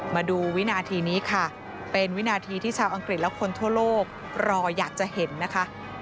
มาดูวินาทีนี้ค่ะเป็นวินาทีที่ชาวอังกฤษและคนทั่วโลกรออยากจะเห็นนะคะ